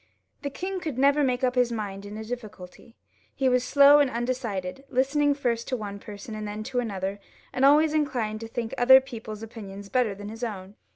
The king could never make up his mind in a difficulty ; he was slow and undecided, listening to first one person and then another, and always inclined to think other people's opinions better than his own.